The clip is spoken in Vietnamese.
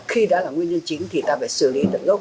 khi đã là nguyên nhân chính thì ta phải xử lý tận gốc